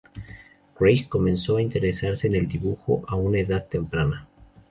Craig comenzó a interesarse en el dibujo a una edad temprana.